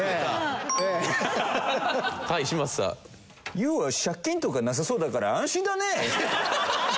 ＹＯＵは借金とかなさそうだから安心だね。